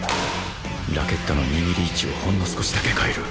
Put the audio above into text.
ラケットの握り位置をほんの少しだけ変える